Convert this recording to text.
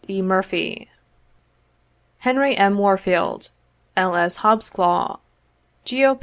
E. Murphry, 32 Henry M. Warfield, L. S. Hobsclaw, Geo.